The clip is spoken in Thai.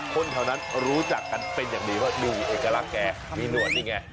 คนแถวนั้นรู้จักกันเป็นอย่างดีว่าดูเอกลักษณ์แกมีหนวดนี่ไง